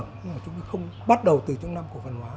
nhưng mà chúng ta không bắt đầu từ trong năm cổ phần hóa